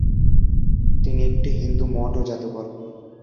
এটি একটি হিন্দু মঠ ও জাদুঘর।